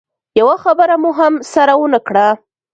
يوه خبره مو هم سره ونه کړه.